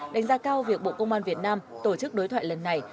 đánh giá cao việc bộ công an việt nam tổ chức đối thoại lần này